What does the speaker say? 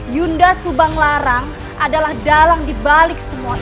yunda subang larang adalah dalang dibalik semua